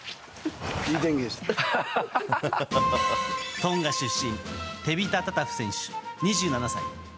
トンガ出身テビタ・タタフ選手、２７歳。